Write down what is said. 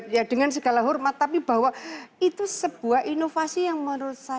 ya dengan segala hormat tapi bahwa itu sebuah inovasi yang menurut saya